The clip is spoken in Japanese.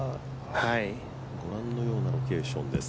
ご覧のようなロケーションです。